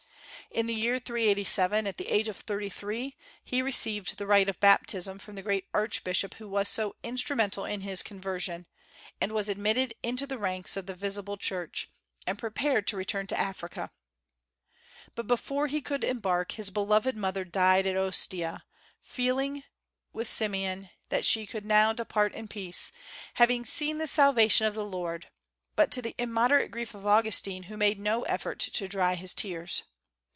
In the year 387, at the age of thirty three, he received the rite of baptism from the great archbishop who was so instrumental in his conversion, and was admitted into the ranks of the visible Church, and prepared to return to Africa. But before he could embark, his beloved mother died at Ostia, feeling, with Simeon, that she could now depart in peace, having seen the salvation of the Lord, but to the immoderate grief of Augustine who made no effort to dry his tears.